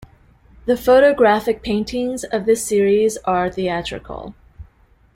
'The photographic 'paintings' of this series are theatrical.